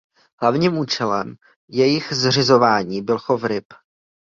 Hlavním účelem jejich zřizování byl chov ryb.